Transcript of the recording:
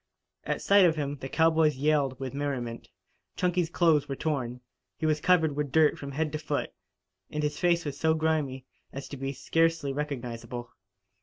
At sight of him the cowboys yelled with merriment. Chunky's clothes were torn. He was covered with dirt from head to foot, and his face was so grimy as to be scarcely recognizable.